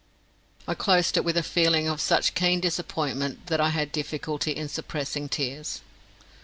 I closed it with a feeling of such keen disappointment that I had difficulty in suppressing tears.